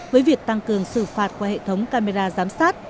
với việc tăng cường xử phạt qua hệ thống camera giám sát